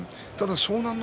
湘南乃